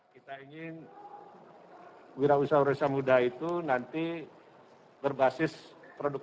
kita ingin wira usaha wira usaha muda itu nanti berbasis produk produk